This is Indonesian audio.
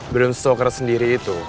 brun stoker sendiri itu